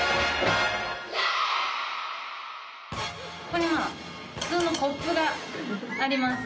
ここに普通のコップがあります。